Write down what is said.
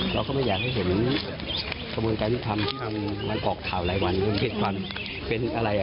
เราก็ไม่อยากให้เห็นกับการการทำตลอดกับข่าวน้ำเส้นปูน